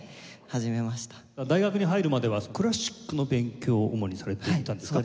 大学に入るまではクラシックの勉強を主にされていたんですか？